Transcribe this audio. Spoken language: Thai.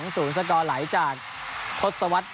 สกไหลจากทศวรรษ